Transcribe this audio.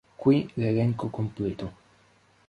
Qui l'elenco completo.